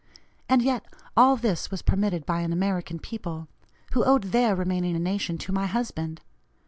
And yet, all this was permitted by an American people, who owed their remaining a nation to my husband!